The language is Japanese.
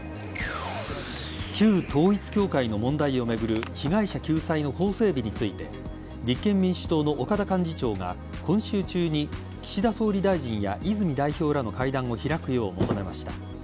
旧統一教会の問題を巡る被害者救済の法整備について立憲民主党の岡田幹事長が今週中に岸田総理大臣や泉代表らの会談を開くよう求めました。